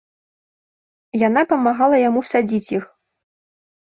Яна памагала яму садзіць іх.